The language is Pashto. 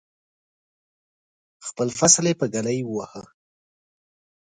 خپل فصل یې په ږلۍ وواهه.